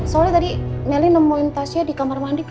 soalnya tadi meli nemuin tasya di kamar mandi